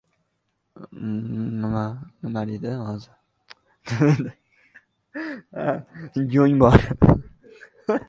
Afg‘oniston bilan ko‘plab sohalarda hamkorliklar yo‘lga qo‘yildi